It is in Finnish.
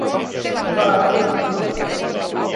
Hyvää iltaa